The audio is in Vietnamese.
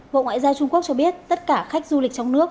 bộ ngoại giao trung quốc cho biết tất cả khách du lịch trong nước